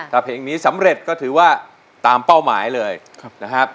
ถ้าเพลงนี้สำเร็จก็ถือว่าตามเป้าหมายเลยนะครับ